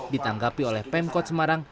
ditanggapi oleh pemkot semarang